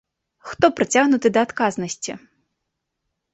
Хто прыцягнуты да адказнасці?